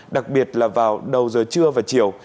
đặc biệt là vào đầu giờ trưa và chiều